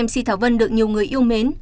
mc thảo vân được nhiều người yêu mến